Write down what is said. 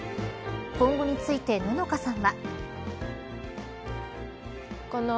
今後について野乃花さんは。